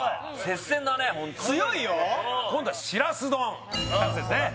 強いよ今度はしらす丼２つですね